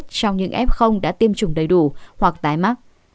trong những f đã tiêm chủng đầy đủ hoặc tái mắc